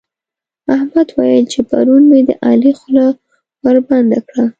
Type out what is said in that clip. احمد ويل چې پرون مې د علي خوله وربنده کړه.